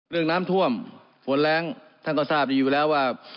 เรื่องน้ำท่วมฝนแรงท่านก็ทราบดีอยู่แล้วว่า